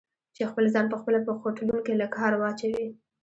چې خپل ځان په خپله په خوټلون کې له کاره واچوي؟